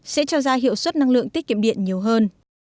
sẽ cho ra hiệu suất năng lượng tiết kiệm điện nhiều hơn